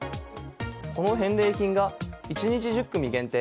その返礼品が１日１０組限定